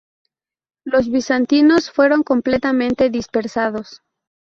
Los bizantinos fueron completamente dispersados.